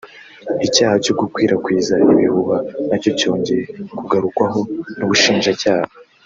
Icyaha cyo gukwirakwiza ibihuha nacyo cyongeye kugarukwaho n’ubushinjacyaha